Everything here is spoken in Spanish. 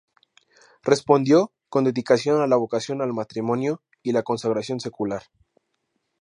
Respondió con dedicación a la vocación al matrimonio y la consagración secular.